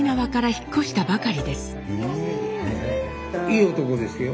いい男ですよ